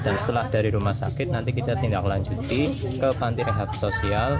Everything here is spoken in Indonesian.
dan setelah dari rumah sakit nanti kita tindak lanjuti ke panti rehab sosial